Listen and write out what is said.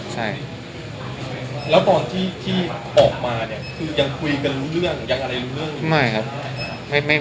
ใช่แล้วตอนที่ออกมาเนี่ยคือยังคุยกันรู้เรื่องยังอะไรรู้เรื่องไม่ครับ